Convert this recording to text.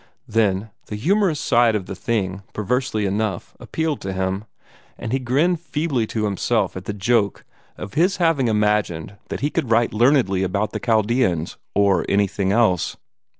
Then the humorous side of the thing, perversely enough, appealed to him, and he grinned feebly to himself at the joke of his having imagined that he could write learnedly about the Chaldeans, or anything else.